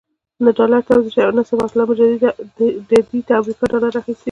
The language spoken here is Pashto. نه ډالر توزیع شوي او نه صبغت الله مجددي د امریکا ډالر اخیستي دي.